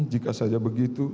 jika saja begitu